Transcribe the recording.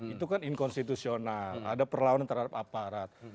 itu kan inkonstitusional ada perlawanan terhadap aparat